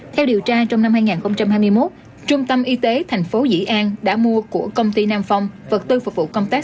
theo điều tra trong năm hai nghìn hai mươi một trung tâm y tế thành phố dĩ an đã mua của công ty nam phong vật tư phục vụ công tác